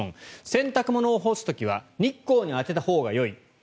洗濯物を干す時は日光に当てたほうがよい。